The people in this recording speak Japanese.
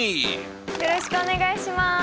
よろしくお願いします。